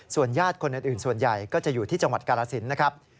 ญาติคนอื่นส่วนใหญ่ก็จะอยู่ที่จังหวัดกาลสินนะครับ